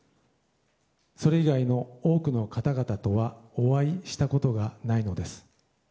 それ以外の多くの方々とはお会いしたことがないのです。